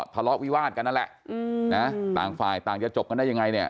ทะเลาะวิวาดกันนั่นแหละต่างฝ่ายต่างจะจบกันได้ยังไงเนี่ย